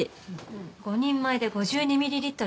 ５人前で５２ミリリットル。